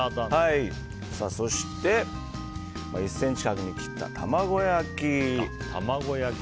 そして、１ｃｍ角に切った卵焼き。